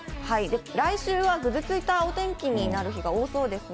来週はぐずついたお天気になる日が多そうですね。